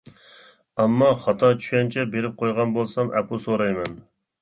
ئەمما خاتا چۈشەنچە بېرىپ قويغان بولسام ئەپۇ سورايمەن.